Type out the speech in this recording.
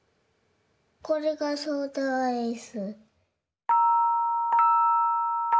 これがソーダアイス。